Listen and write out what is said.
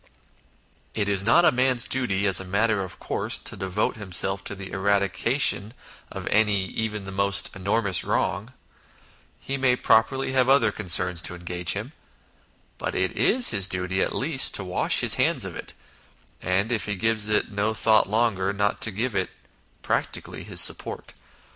..." It is not a man's duty, as a matter of course, to devote himself to the eradication of any, even the most enormous wrong ; he may properly have other concerns to engage him ; but it is his duty, at least, to wash his hands of it, and, if he gives it no thought longer, not to give it practically his support.